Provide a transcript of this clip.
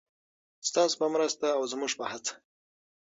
ستاسو په مرسته او زموږ په هڅه.